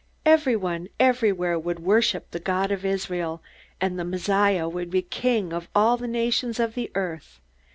Everyone, everywhere, would worship the God of Israel, and the Messiah would be King of all the nations of the earth.